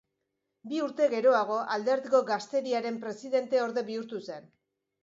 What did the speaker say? Bi urte geroago, alderdiko gazteriaren presidenteorde bihurtu zen.